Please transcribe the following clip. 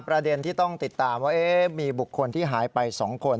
ประเด็นที่ต้องติดตามว่ามีบุคคลที่หายไป๒คน